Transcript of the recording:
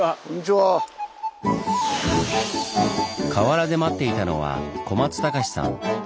河原で待っていたのは小松隆史さん。